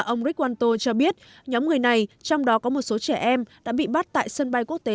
ông rick wanto cho biết nhóm người này trong đó có một số trẻ em đã bị bắt tại sân bay quốc tế